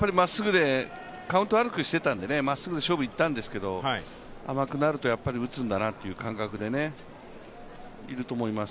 カウント悪くしてたんでまっすぐで勝負したんですけど甘くなるとやはり打つんだなという感覚でいると思います。